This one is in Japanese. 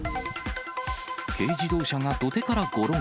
軽自動車が土手からごろん。